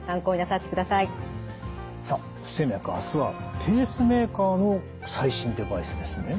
さあ「不整脈」明日はペースメーカーの最新デバイスですね。